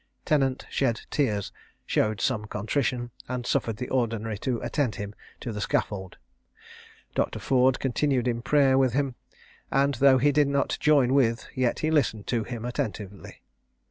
Tennant shed tears, showed some contrition, and suffered the Ordinary to attend him to the scaffold. Dr. Ford continued in prayer with him; and, though he did not join with, yet he listened to him attentively.